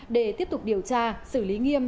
để tiếp tục điều tra xử lý nghiêm